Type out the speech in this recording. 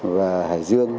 và hải dương